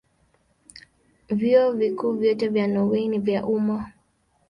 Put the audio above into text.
Vyuo Vikuu vyote vya Norwei ni vya umma.